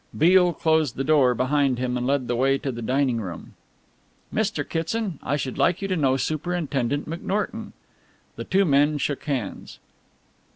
Beale closed the door behind him and led the way to the dining room. "Mr. Kitson, I should like you to know Superintendent McNorton." The two men shook hands.